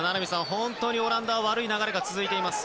本当にオランダは悪い流れが続いています。